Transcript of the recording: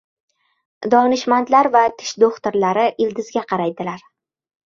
— Donishmandlar va tish do‘xtirlari ildizga qaraydilar.